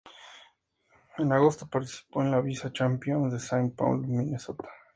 En agosto participó en el "Visa Championship" en Saint Paul, Minnesota.